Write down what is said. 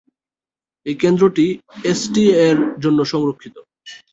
এই কেন্দ্রটি এসটি এর জন্য সংরক্ষিত।